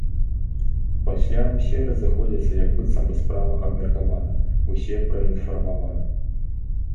Пасля ўсе разыходзяцца як быццам бы справа абмеркавана, усе праінфармаваны.